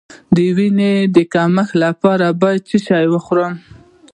د وینې د کمښت لپاره باید څه شی وخورم؟